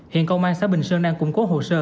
hiện công an xã bình sơn đang củng cố hồ sơ